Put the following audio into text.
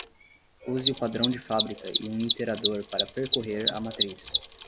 Use o padrão de fábrica e um iterador para percorrer a matriz.